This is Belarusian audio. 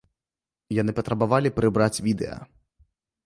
Яны патрабавалі прыбраць відэа.